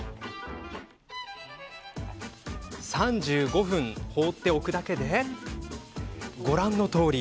３５分、放っておくだけでご覧のとおり。